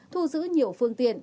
thu giữ nhiều phương tiện